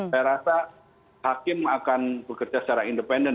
saya rasa hakim akan bekerja secara independen